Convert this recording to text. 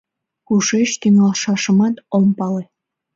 Кушеч тӱҥалшашымат, ом пале...